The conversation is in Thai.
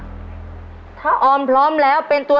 สวัสดีครับสวัสดีครับ